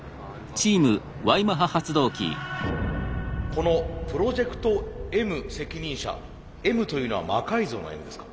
この「プロジェクトＭ責任者」「Ｍ」というのは「魔改造」の「Ｍ」ですか？